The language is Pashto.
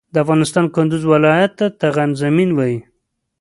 د افغانستان کندوز ولایت ته قطغن زمین وایی